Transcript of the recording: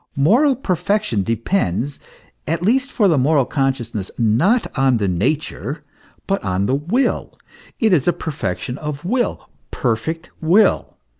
Moral perfection depends, at least for the moral consciousness, not on the nature, but on the will it is a perfection of will, perfect will.